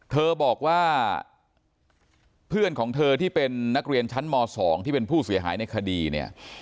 เธอบอกว่าเพื่อนของเธอที่เป็นนักเรียนชั้นม๒ที่เป็นผู้เสียหายในคดีเนี่ย